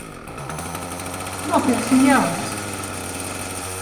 Nopirksim jaunas.